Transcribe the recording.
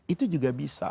itu juga bisa